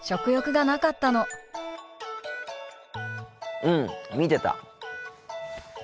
うん見てた。